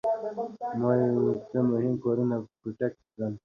ما یو څو مهم کارونه په ګوته کړل.